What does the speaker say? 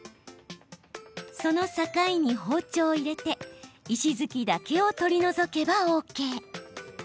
その境に包丁を入れて石づきだけを取り除けばＯＫ。